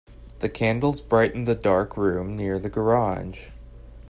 The candles brightened the dark room near to the garage.